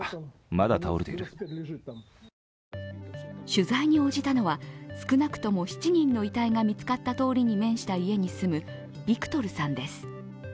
取材に応じたのは少なくとも７人の遺体が見つかった通りに面した家に住むビクトルさんです。